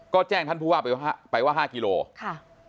ก็แจ้งท่านผู้ว่าไปว่า๕กิโลค่ะ